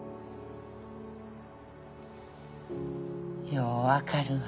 よう分かるわ。